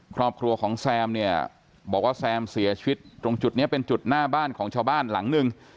ครอบครัวของแซมเนี่ยบอกว่าแซมเสียชีวิตตรงจุดนี้เป็นจุดหน้าบ้านของชาวบ้านหลังหนึ่ง